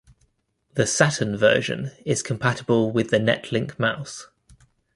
The Saturn version is compatible with the Netlink Mouse.